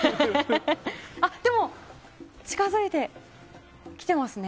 でも、近づいてきてますね。